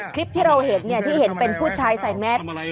คลิปที่เราเห็นที่เห็นเป็นผู้ชายใส่แมส